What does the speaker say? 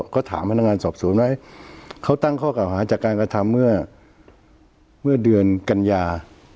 ก็ถามพนักงานสอบสวนว่าเขาตั้งข้อเก่าหาจากการกระทำเมื่อเดือนกัญญา